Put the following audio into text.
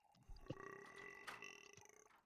มาดริด